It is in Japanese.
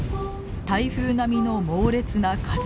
台風並みの猛烈な風。